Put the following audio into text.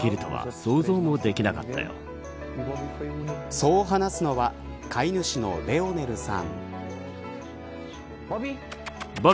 そう話すのは飼い主のレオネルさん。